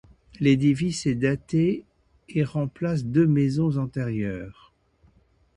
L'édifice est daté du et remplace deux maisons antérieures.